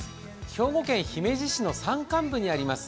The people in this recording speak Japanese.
兵庫県姫路市の山間部にあります